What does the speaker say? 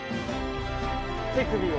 手首を。